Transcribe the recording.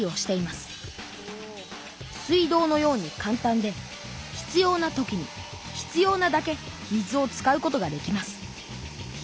水道のようにかん単で必要な時に必要なだけ水を使うことができます。